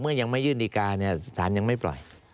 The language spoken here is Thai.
ยังไม่ยื่นดีการเนี่ยสารยังไม่ปล่อย